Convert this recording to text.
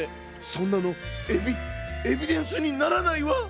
そんなのエビエビデンスにならないわ！